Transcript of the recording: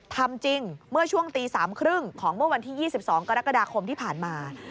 ทำจริงเมื่อช่วงตี๓๓๐ของเมื่อวันที่๒๒กรกฎาคมที่ผ่านมา